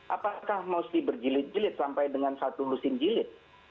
apakah mau sih berjilid jilid sampai dengan satu lulusin jilid